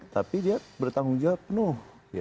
tapi dia bertanggung jawab penuh